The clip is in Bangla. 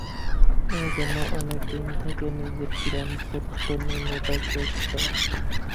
এইজন্যে অনেক দিন থেকে নিজের গ্রাম পত্তনি নেবার চেষ্টা।